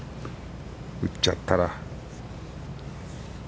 打っちゃったら。